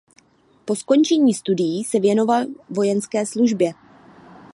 Po skončení studií se věnoval vojenské službě.